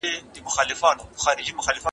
اوس د نقاش له ذهنه